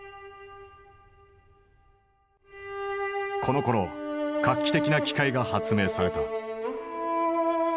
このころ画期的な機械が発明された。